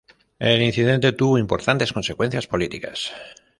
El incidente tuvo importantes consecuencias políticas.